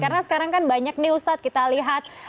karena sekarang kan banyak nih ustadz kita lihat